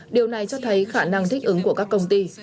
điều này cho thấy khả năng thích ứng của các công ty